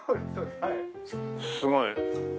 すごい。